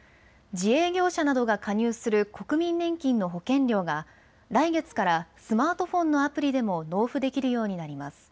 自営業者などが加入する国民年金の保険料が来月からスマートフォンのアプリでも納付できるようになります。